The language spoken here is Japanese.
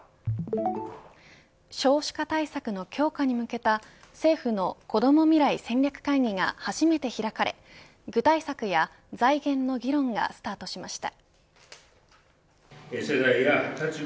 少子化対策の強化に向けた政府のこども未来戦略会議が初めて開かれ具体策や財源の議論がスタートしました。